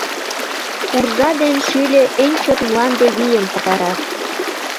Уржа ден шӱльӧ эн чот мланде вийым пытарат.